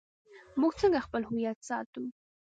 موږ څنګه خپل هویت ساتو؟